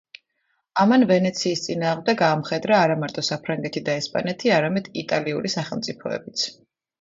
ამან ვენეციის წინააღმდეგ აამხედრა არამარტო საფრანგეთი და ესპანეთი, არამედ იტალიური სახელმწიფოებიც.